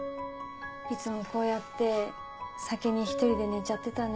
いつもこうやって先に１人で寝ちゃってたね